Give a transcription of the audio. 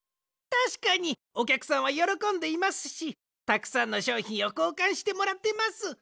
たしかにおきゃくさんはよろこんでいますしたくさんのしょうひんをこうかんしてもらってます！